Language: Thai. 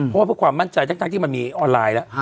เพราะว่าเพื่อความมั่นใจทั้งที่มันมีออนไลน์แล้ว